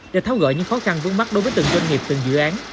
để tháo gỡ những khó khăn vướng mắt đối với từng doanh nghiệp từng dự án